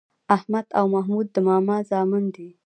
احمد او محمود د ماما زامن دي.